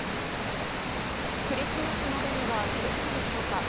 クリスマスまでには届くのでしょうか。